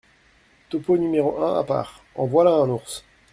Topeau , n° un, à part. — En voilà un ours !